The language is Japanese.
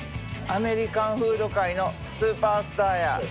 アメリカンフード界のスーパースターや。